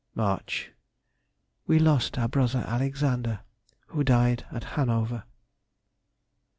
March.—We lost our brother Alexander, who died at Hanover.